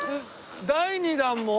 第２弾も？